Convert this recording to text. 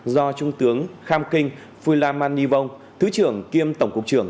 do trung tướng kham kinh phuy la man nhi vong thứ trưởng kiêm tổng cục trưởng